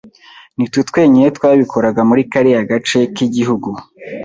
ni twe twenyine twabikoraga muri kariya gace kigihugu